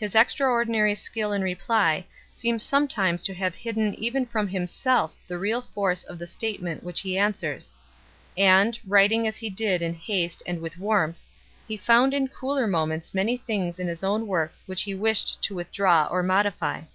His extraordinary skill in reply seems sometimes to have hidden even from him self the real force of the statement which he answers ; and, writing as he did in haste and with warmth, he found in cooler moments many things in his own works which he wished to withdraw or modify 1